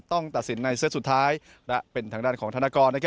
ตัดสินในเซตสุดท้ายและเป็นทางด้านของธนกร